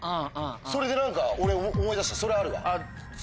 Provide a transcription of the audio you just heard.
それで何か俺思い出したそれあるわ。